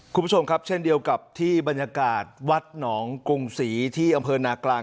คุณผู้ชมครับเช่นเดียวกับที่บรรยากาศวัดหนองกรุงศรีที่อำเภอนากลาง